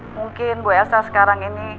mungkin bu elsa sekarang ini